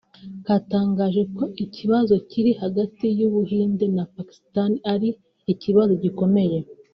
katangaje ko ikibazo kiri hagati y’u Buhinde na Pakistan ari ikibazo gikomeye